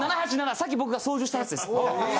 さっき僕が操縦したやつです。